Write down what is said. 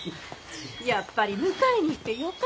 やっぱり迎えに行ってよかった。